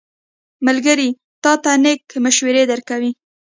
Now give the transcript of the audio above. ملګری تا ته نېک مشورې درکوي.